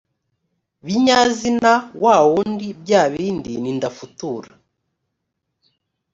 binyazina wa wundi bya bindi ni ndafutura